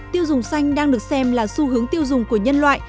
tiêu dùng xanh đang được xem là xu hướng tiêu dùng của nhân loại